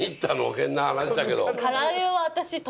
変な話だけど。